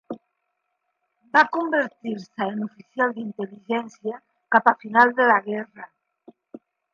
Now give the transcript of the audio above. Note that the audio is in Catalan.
Va convertir-se en oficial d'intel·ligència cap al final de la guerra.